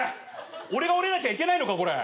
俺が折れなきゃいけないのかこれ。